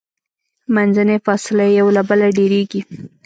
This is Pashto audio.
منځنۍ فاصله یې یو له بله ډیریږي.